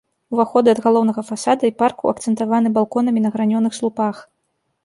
Уваходы ад галоўнага фасада і парку акцэнтаваны балконамі на гранёных слупах.